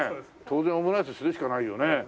当然オムライスするしかないよね。